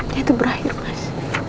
dan itu berakhir mas